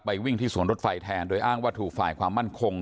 วิ่งที่สวนรถไฟแทนโดยอ้างว่าถูกฝ่ายความมั่นคง